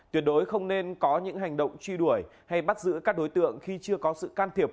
tuyệt đối không nên có những hành động truy đuổi hay bắt giữ các đối tượng khi chưa có sự can thiệp